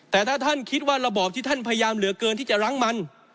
แต่ถ้าท่านคิดว่าระบอบที่ท่านพยายามเหลือเกินที่จะรั้งมัน